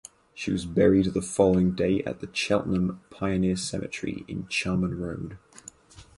She was buried the following day at the Cheltenham Pioneer Cemetery in Charman Road.